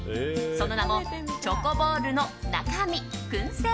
その名も、チョコボールのなかみ燻製